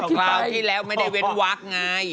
คราวที่แล้วไม่ได้เว้นวักไง